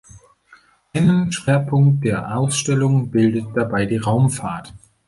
Einen Schwerpunkt der Ausstellung bildet dabei die Raumfahrt.